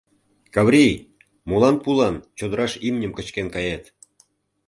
— Каврий, молан пулан чодыраш имньым кычкен кает?